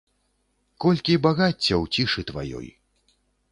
Колькі багацця ў цішы тваёй.